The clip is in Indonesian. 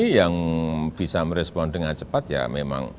yang bisa merespon dengan cepat ya memang